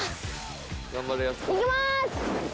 いきます。